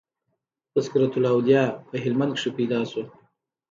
"تذکرةالاولیاء" په هلمند کښي پيدا سو.